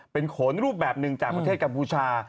เป็นโขนรูปแบบหนึ่งจากประเทศกัมพูชา